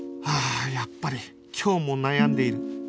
ああやっぱり今日も悩んでいる